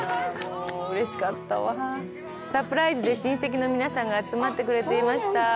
サプライズで親戚の皆さんが集まってくれていました！